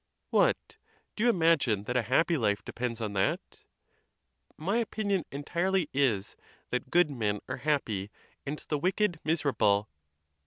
"What! do you imagine that a happy life depends on that?" "My opinion entirely is, that good men are happy, and the wicked miserable."